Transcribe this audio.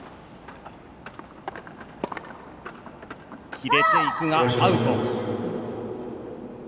切れていくがアウト。